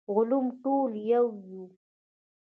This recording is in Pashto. علوم ټول يو وو.